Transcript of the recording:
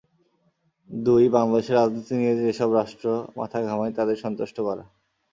দুই, বাংলাদেশের রাজনীতি নিয়ে যেসব রাষ্ট্র মাথা ঘামায়, তাদের সন্তুষ্ট করা।